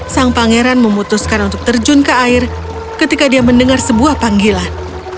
sang pangeran memutuskan untuk terjun ke air ketika dia mendengar sebuah panggilan